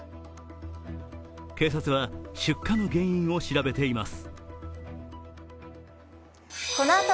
警察は出火の原因を調べています。